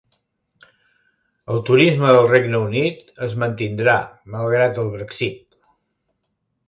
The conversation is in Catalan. El turisme del Regne Unit es mantindrà malgrat el Brexit.